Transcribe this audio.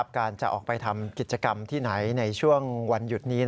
การจะออกไปทำกิจกรรมที่ไหนในช่วงวันหยุดนี้